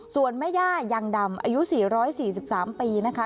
ส่วนแม่ย่ายังดำอายุสี่ร้อยสี่สิบสามปีนะคะ